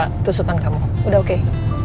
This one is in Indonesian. makanya ini memang kamu yang yang harus kena